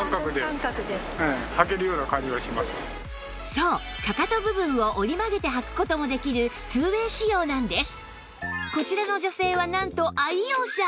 そうかかと部分を折り曲げて履く事もできるツーウェイ仕様なんです